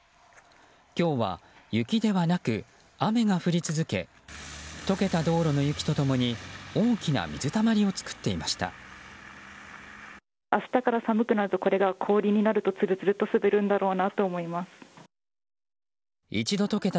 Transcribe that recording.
今日は雪ではなく雨が降り続け解けた道路の雪と共に大きな水たまりを作っていました。